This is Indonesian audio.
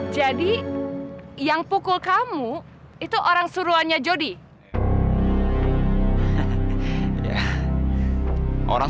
jadi yang pukul kamu itu orang suruhannya jody